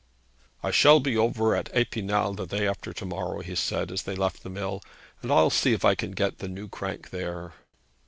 'I shall be over at Epinal the day after tomorrow,' he said as they left the mill, 'and I'll see if I can get the new crank there.'